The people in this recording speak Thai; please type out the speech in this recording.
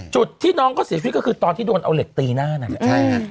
จุดที่น้องเขาเสียชีวิตก็คือตอนที่โดนเอาเหล็กตีหน้านั่นแหละใช่ฮะ